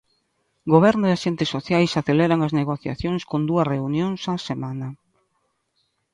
Goberno e axentes sociais aceleran as negociacións con dúas reunións á semana.